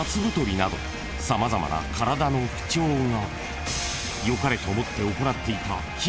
［様々な体の不調が］